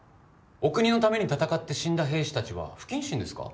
お国のために戦って死んだ兵士たちは不謹慎ですか？